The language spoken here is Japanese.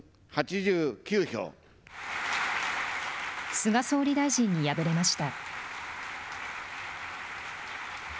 菅総理大臣に敗れました。